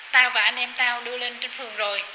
ta và anh em tao đưa lên trên phường rồi